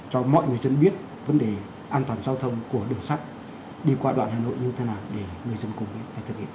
cho mọi người dân biết vấn đề an toàn giao thông của đường sắt đi qua đoạn hà nội như thế nào để người dân cùng thực hiện